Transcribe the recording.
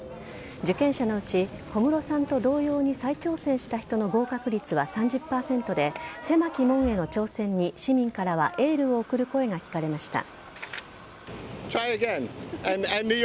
受験者のうち、小室さんと同様に再挑戦した人の合格率は３０％で狭き門への挑戦に、市民からはエールを送る声が聞かれました。